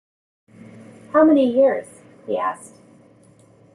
“How many years?” he asked.